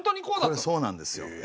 これそうなんですよ。